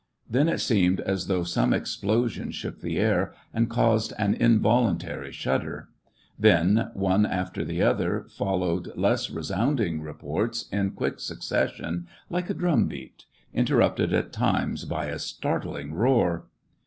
Then it seemed as though some explosion shook the air, and caused an involuntary shudder. Then, one after the other, followed less resounding reports in quick succession, like a drum beat, interrupted at times by a startling roar.